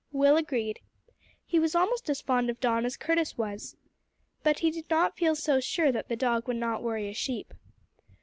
Will agreed. He was almost as fond of Don as Curtis was. But he did not feel so sure that the dog would not worry a sheep.